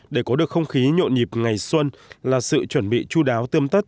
để có được không khí nhộn nhịp ngày xuân là sự chuẩn bị chú đáo tươm tất